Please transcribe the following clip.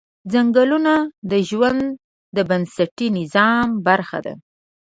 ځنګلونه د ژوند د بنسټي نظام برخه ده